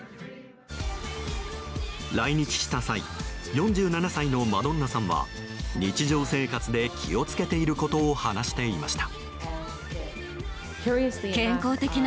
来日した際４７歳のマドンナさんは日常生活で気を付けていることを話していました。